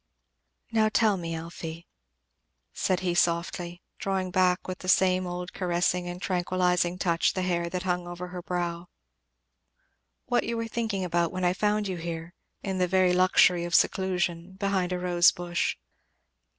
"Now tell me, Elfie," said he softly, drawing back with the same old caressing and tranquillizing touch the hair that hung over her brow, "what you were thinking about when I found you here? in the very luxury of seclusion behind a rose bush."